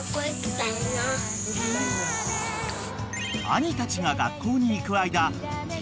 ［兄たちが学校に行く間］